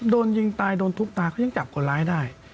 โดนยิงตายโดนทุบตาเขายังจับคนร้ายได้